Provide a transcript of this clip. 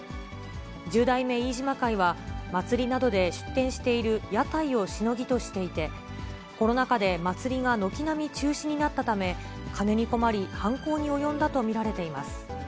十代目飯島会は、祭りなどで出店している屋台をしのぎとしていて、コロナ禍で祭りが軒並み中止になったため、金に困り、犯行に及んだと見られています。